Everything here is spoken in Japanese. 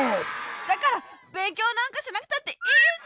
だからべんきょうなんかしなくたっていいんだ！